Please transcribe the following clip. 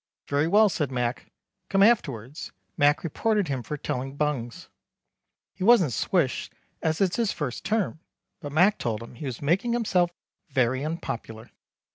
Very well said Mac Come afterwards. Mac reported him for telling bungs. He wasn't swished as its his first term: but Mac told him he was making himself very unpopular.